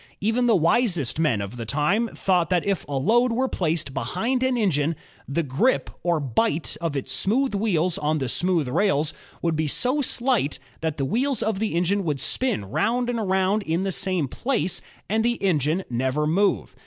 Even the wisest men of the time thought that if a load were placed behind an engine, the *'grip" or '^bite" of its smooth wheels on the smooth rails would be so slight that the wheels of the engine would spin roimd and round in the same place and 6o INVENTIONS OF STEAM AND ELECTRIC POWER the engine never move.